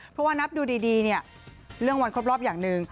เพราะว่านับดูดีเนี่ยเรื่องวันครบรอบอย่างหนึ่ง